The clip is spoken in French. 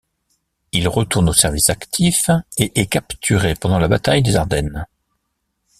Il retourne au service actif et est capturé pendant la bataille des Ardennes.